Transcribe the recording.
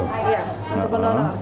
iya untuk pendonor